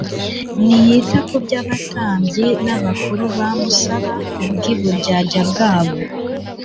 ntiyita ku byo abatambyi n'abakuru bamusaba ku bw'uburyarya bwabo.